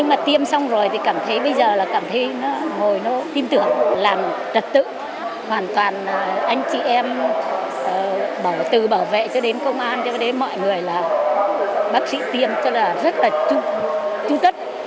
anh chị em từ bảo vệ cho đến công an cho đến mọi người là bác sĩ tiêm cho là rất là chú tất